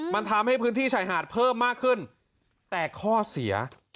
มันทำให้พื้นที่ชายหาดเพิ่มมากขึ้นแต่ข้อเสีย